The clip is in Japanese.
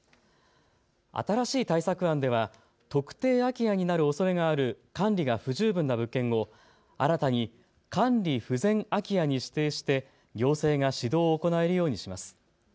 新しい対策案では特定空き家になるおそれがある管理が不十分な物件を新たに管理不全空き家に指定して行政が指導を行えるようにします。